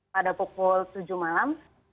pada pukul tujuh malam